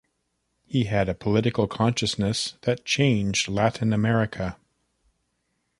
He had a political consciousness that changed Latin America.